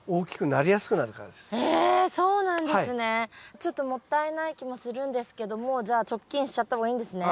ちょっともったいない気もするんですけどもうじゃあチョッキンしちゃった方がいいんですね。